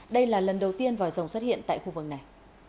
đây là lần đầu tiên vòi rồng xuất hiện tại khu vực này